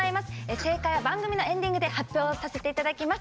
正解は番組のエンディングで発表させていただきます。